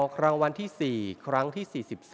อครั้งวันที่๔ครั้งที่๔๓